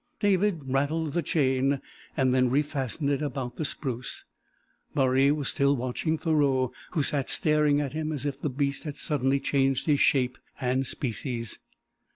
David rattled the chain and then re fastened it about the spruce. Baree was still watching Thoreau, who sat staring at him as if the beast had suddenly changed his shape and species.